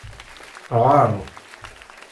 Ɣaṛ!